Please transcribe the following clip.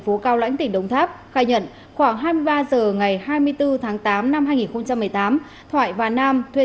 phố cao lãnh tỉnh đồng tháp khai nhận khoảng hai mươi ba h ngày hai mươi bốn tháng tám năm hai nghìn một mươi tám thoại và nam thuê